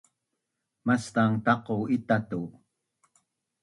Maszang taqu ita tu